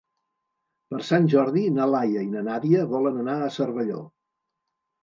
Per Sant Jordi na Laia i na Nàdia volen anar a Cervelló.